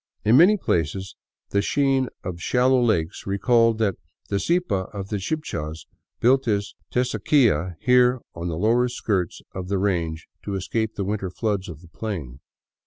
In many places the sheen of shallow lakes recalled that the Zipa of the Chibchas built his Teusaquilla here on the lower skirts of the range to escape the winter floods of the plain.